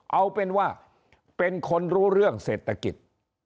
เอาเป็นว่าเป็นคนรู้เรื่องเศรษฐกิจ